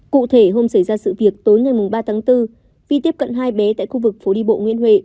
cụ thể hôm xảy ra sự việc tối ngày ba tháng bốn vi tiếp cận hai bé tại khu vực phố đi bộ nguyễn huệ